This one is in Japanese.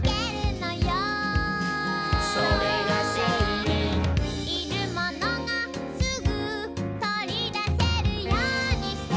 「それが整理」「いるものがすぐとりだせるようにして」